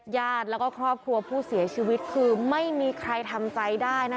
ญาติแล้วก็ครอบครัวผู้เสียชีวิตคือไม่มีใครทำใจได้นะคะ